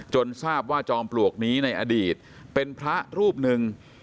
ทราบว่าจอมปลวกนี้ในอดีตเป็นพระรูปหนึ่ง